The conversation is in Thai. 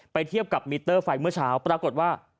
เทียบกับมิเตอร์ไฟเมื่อเช้าปรากฏว่า